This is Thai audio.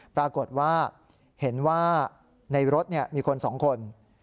ปรากฏว่าเห็นว่าในรถมีคน๒คน